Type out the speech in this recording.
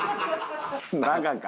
バカか。